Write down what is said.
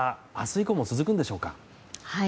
以降も続くんでしょうか。